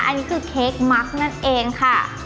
อันนี้คือเค้กมักนั่นเองค่ะ